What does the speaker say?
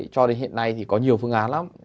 cho đến hiện nay thì có nhiều phương án lắm